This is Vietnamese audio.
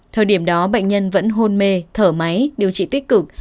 thời điểm đó bệnh nhân vẫn hôn mê thở máy điều trị tích cực